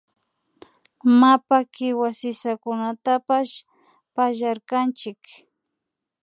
Mapa kiwa sisakunatapash pallarkanchik